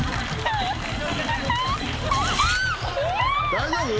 大丈夫？